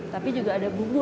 tapi juga ada bumbu